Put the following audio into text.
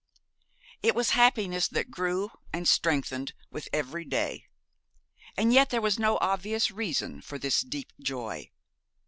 It was happiness that grew and strengthened with every day; and yet there was no obvious reason for this deep joy.